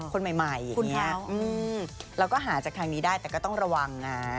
คนใหม่แล้วก็หาจากทางนี้ได้แต่ก็ต้องระวังนะ